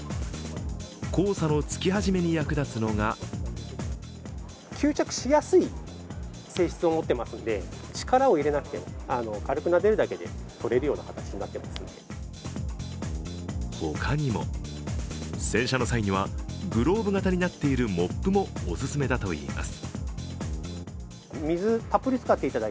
黄砂のつき始めに役立つのがほかにも、洗車の際にはグローブ型になっているモップもお勧めだといいます。